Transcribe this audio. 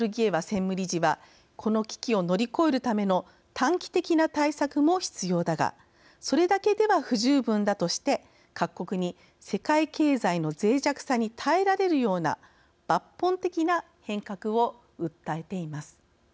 専務理事は「この危機を乗り越えるための短期的な対策も必要だがそれだけでは不十分だ」として、各国に世界経済のぜい弱さに耐えられるような抜本的な変革を訴えています。